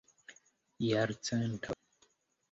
jarcento